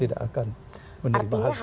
tidak akan menerima hal seperti itu